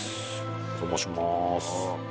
お邪魔します。